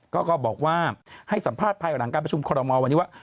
ก็บอกว่าให้สัมภาษณ์ภายหลังการประชุมคอรมอลวันนี้ว่า